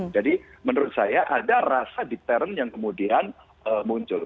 jadi menurut saya ada rasa deteren yang kemudian muncul